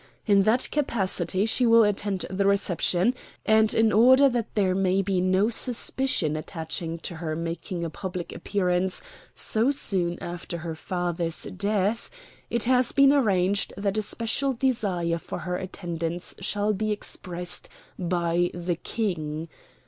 In that capacity she will attend the reception, and in order that there may be no suspicion attaching to her making a public appearance so soon after her father's death it has been arranged that a special desire for her attendance shall be expressed by the King.